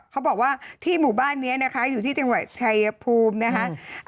เขาบอกว่าที่หมู่บ้านนี้นะคะอยู่ที่จังหวัดชายภูมินะคะ